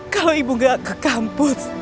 kalau ibu gak ke kampus